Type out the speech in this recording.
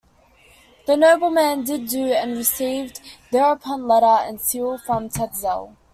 The nobleman did do and received thereupon letter and seal from Tetzel.